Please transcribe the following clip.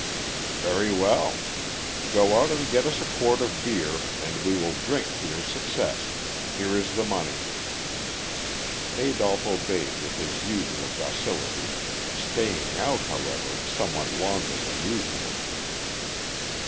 "Very well. Go out and get us a quart of beer, and we will drink to your success. Here is the money." Adolph obeyed with his usual docility, staying out, however, somewhat longer than usual.